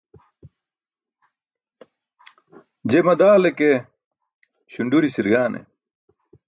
Je madale ke, śunduri sirgaane.